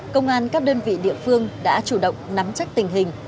công an các đơn vị địa phương đã chủ động nắm chắc tình hình